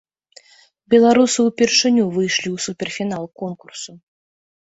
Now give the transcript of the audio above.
Беларусы ўпершыню выйшлі ў супер-фінал конкурсу.